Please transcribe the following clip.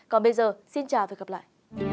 còn bây giờ xin chào và hẹn gặp lại